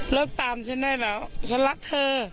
แล้วตามฉันได้แล้วฉันรักเธอ